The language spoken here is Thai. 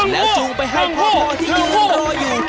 แล้วจูงไปให้พ่อที่ยืนรออยู่